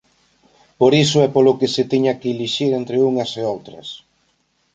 Por iso é polo que se teña que elixir entre unhas e outras.